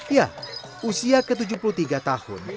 ya usia ke tujuh puluh tiga tahun